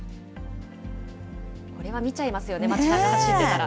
これは見ちゃいますよね、街なか走ってたら。